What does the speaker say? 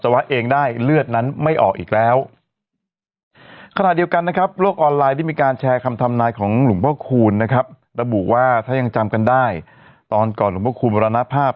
ว่าถ้ายังจำกันได้ตอนก่อนหลวงพระคุณบรรณภาพ